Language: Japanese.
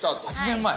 ８年前？